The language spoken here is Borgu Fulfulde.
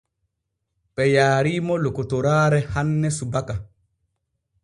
Ɓe yaariimo lokotoraare hanne subaka.